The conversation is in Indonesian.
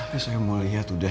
tapi saya mau liat uda